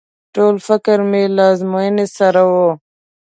ټول فکر مې له ازموينې سره و.